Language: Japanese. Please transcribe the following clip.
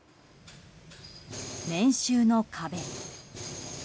年収の壁。